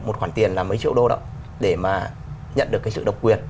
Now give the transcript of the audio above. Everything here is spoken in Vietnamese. một khoản tiền là mấy triệu đô đó để mà nhận được cái sự độc quyền